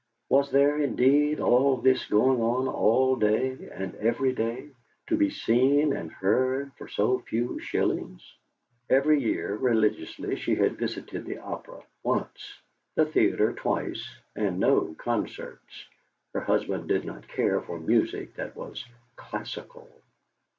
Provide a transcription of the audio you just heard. Was there, indeed, all this going on all day and every day, to be seen and heard for so few shillings? Every year, religiously, she had visited the opera once, the theatre twice, and no concerts; her husband did not care for music that was "classical."